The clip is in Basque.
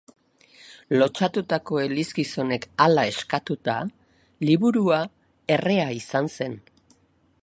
Lotsatutako elizgizonek hala eskatuta liburua errea izan zen.